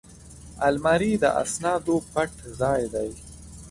الماري د اسنادو پټ ځای دی